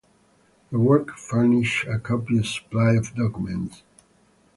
The work furnished a copious supply of documents.